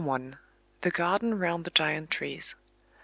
The Garden Round the Giant Trees.